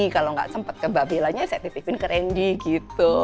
kalau nggak sempet ke mbak bella nya saya titipin ke randy gitu